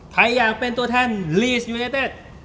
ใครอยากเป็นตัวแทนลีสยูเนเจฏ